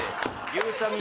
ゆうちゃみ